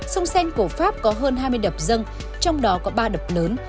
sông sen của pháp có hơn hai mươi đập dâng trong đó có ba đập lớn